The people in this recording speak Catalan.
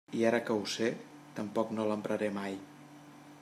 I ara que ho sé, tampoc no l'empraré mai.